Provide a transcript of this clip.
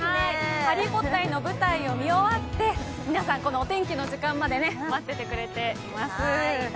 「ハリー・ポッター」の舞台を見終わって、皆さんお天気の時間まで待っててくれています。